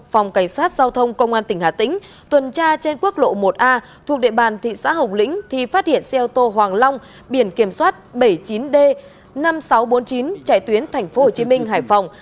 phòng cảnh sát giao thông công an tỉnh hà tĩnh tuần tra trên quốc lộ một a thuộc địa bàn thị xã hồng lĩnh thì phát hiện xe ô tô hoàng long biển kiểm soát bảy mươi chín d năm nghìn sáu trăm bốn mươi chín chạy tuyến tp hcm hải phòng